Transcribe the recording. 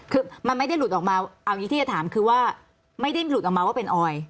คือมันไม่ได้หลุดออกมาเอาอย่างนี้ที่จะถามคือว่าไม่ได้หลุดออกมาว่าเป็นออย